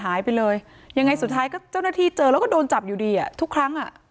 หายไปเลยยังไงสุดท้ายก็เจ้าหน้าที่เจอแล้วก็โดนจับอยู่ดีอ่ะทุกครั้งอ่ะ